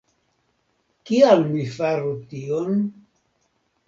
Kial mi faru tion?